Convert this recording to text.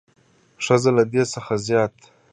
ښځې له دې څخه زیات